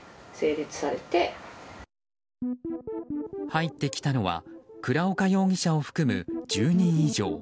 入ってきたのは倉岡容疑者を含む１０人以上。